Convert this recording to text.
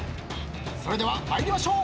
それでは参りましょう！